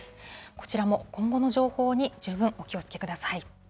こちらも今後の情報に十分お気をつけください。